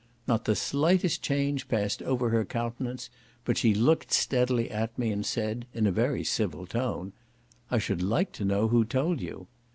Not the slightest change passed over her countenance, but she looked steadily at me, and said, in a very civil tone, "I should like to know who told you."